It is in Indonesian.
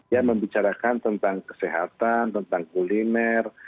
ya membicarakan tentang kesehatan tentang kuliner